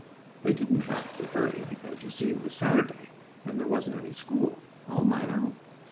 They didn't have to hurry because, you see, it was Saturday, and there wasn't any school. Oh, my no!